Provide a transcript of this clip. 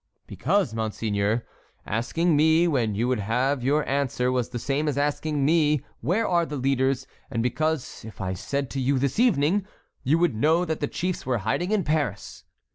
"Because, monseigneur, asking me when you would have your answer was the same as asking me where are the leaders, and because if I said to you, 'This evening,' you would know that the chiefs were hiding in Paris."